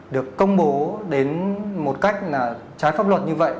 được công bố đến một cách là trái pháp luật như vậy